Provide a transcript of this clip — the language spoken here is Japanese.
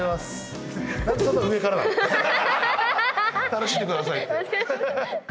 楽しんでくださいって。